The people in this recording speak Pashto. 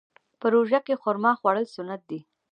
په روژه کې خرما خوړل سنت دي.